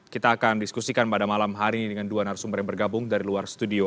kita akan diskusikan pada malam hari ini dengan dua narasumber yang bergabung dari luar studio